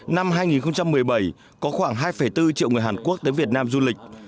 năm hai nghìn một mươi bảy có khoảng hai bốn triệu người hàn quốc tới việt nam du lịch